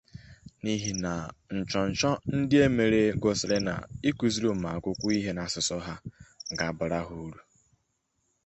Omogho